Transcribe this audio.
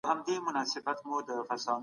ایا نوي میتودونه کارول سوي دي؟